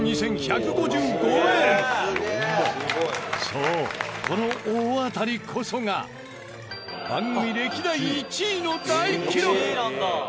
そうこの大当たりこそが番組歴代１位の大記録！